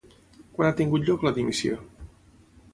Quan ha tingut lloc la dimissió?